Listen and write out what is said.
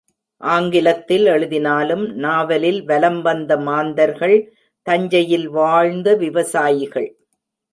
ஆங்கிலத்தில் எழுதினாலும் நாவலில் வலம்வந்த மாந்தர்கள் தஞ்சையில் வாழ்ந்த விவசாயிகள்.